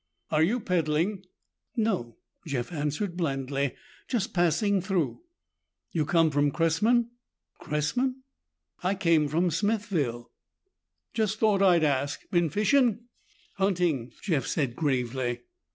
"Are you peddling?" "No," Jeff answered blandly, "just passing through." "You come from Cressman?" "Cressman? I came from Smithville." "Just thought I'd ask. Been fishing?" "Hunting," Jeff said gravely.